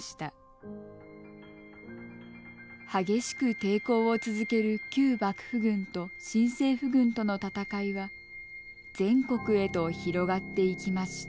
激しく抵抗を続ける旧幕府軍と新政府軍との戦いは全国へと広がっていきました。